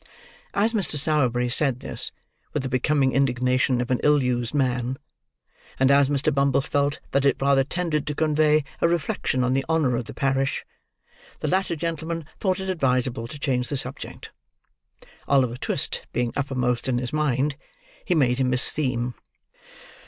As Mr. Sowerberry said this, with the becoming indignation of an ill used man; and as Mr. Bumble felt that it rather tended to convey a reflection on the honour of the parish; the latter gentleman thought it advisable to change the subject. Oliver Twist being uppermost in his mind, he made him his theme.